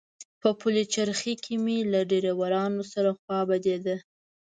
په پلچرخي کې مې له ډریورانو سره خوا بدېده.